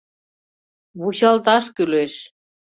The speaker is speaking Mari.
Вучалташ кӱлеш...